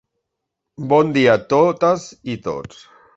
Bon dia a totes i tots.